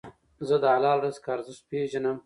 زه د حلال رزق ارزښت پېژنم.